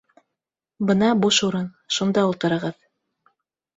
Бына буш урын, шунда ултырығыҙ